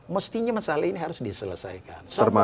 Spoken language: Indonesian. mestinya masalah ini harus diselesaikan